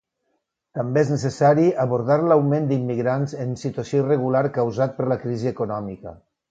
També és necessari abordar l'augment d'immigrants en situació irregular causat per la crisi econòmica.